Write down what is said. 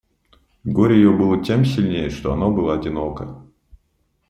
Горе ее было тем сильнее, что оно было одиноко.